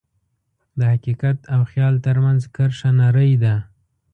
د حقیقت او خیال ترمنځ کرښه نری ده.